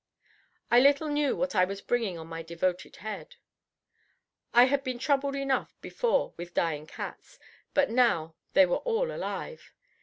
I little knew what I was bringing on my devoted head. I had been troubled enough before with dying cats, but now they were all alive.